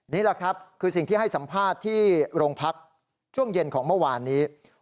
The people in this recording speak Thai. นี่แหละครับคือสิ่งที่ให้สัมภาษณ์ที่โรงพักช่วงเย็นของเมื่อวานนี้